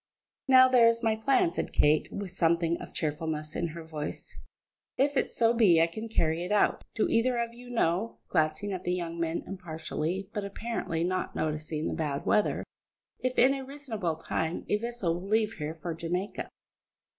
"Now there is my plan," said Kate, with something of cheerfulness in her voice, "if it so be I can carry it out. Do either of you know," glancing at the young men impartially, but apparently not noticing the bad weather, "if in a reasonable time a vessel will leave here for Jamaica?"